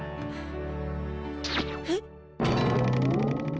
えっ！